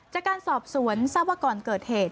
จากการสอบสวนทราบว่าก่อนเกิดเหตุ